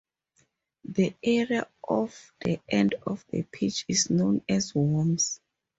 The area off the end of the pitch is known as "Worms".